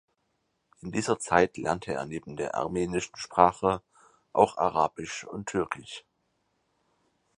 In dieser Zeit lernte er neben der armenischen Sprache auch Arabisch und Türkisch.